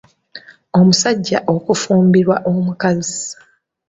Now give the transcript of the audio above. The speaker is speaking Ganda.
Omusajja okufumbirwa omukazi.